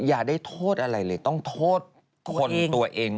อย่าได้โทษอะไรเลยต้องโทษคนตัวเอง